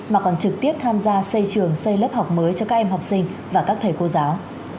mà còn trực tiếp tham gia xây trường xây lớp học mới cho các em học sinh và các thầy cô giáo